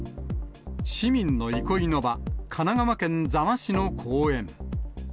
市民の憩いの場、神奈川県座間市の公園。